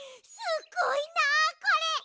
すっごいなあこれ！